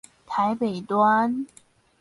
台北端